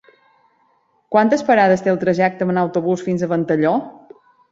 Quantes parades té el trajecte en autobús fins a Ventalló?